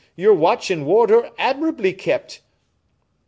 Your watch and ward are admirably kept."